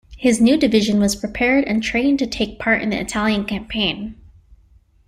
His new division was prepared and trained to take part in the Italian Campaign.